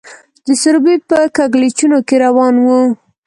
د سروبي په کږلېچونو کې روان وو.